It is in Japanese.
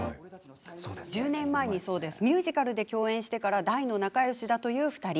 １０年前にミュージカルで共演してから大の仲よしだという２人。